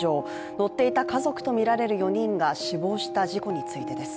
乗っていた家族とみられる４人が死亡した事故についてです。